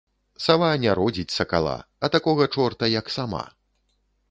Сава не родзiць сакала, а такога чорта, як сама